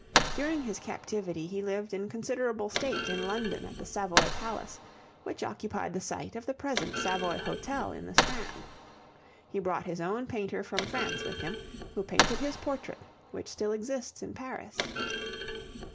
During his captivity he lived in considerable state in London at the Savoy Palace, which occupied the site of the present Savoy Hotel in the Strand; he brought his own painter from France with him, who painted his portrait which still exists in Paris.